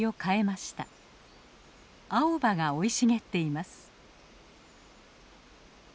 青葉が生い茂っています。